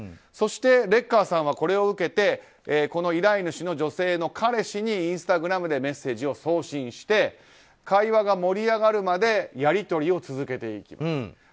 そして、レッカーさんはこれを受けて依頼主の女性の彼氏にインスタグラムでメッセージを送信して会話が盛り上がるまでやり取りを続けていく。